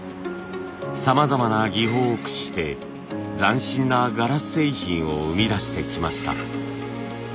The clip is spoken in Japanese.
さまざまな技法を駆使して斬新なガラス製品を生み出してきました。